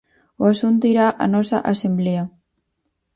O asunto irá á nosa Asemblea.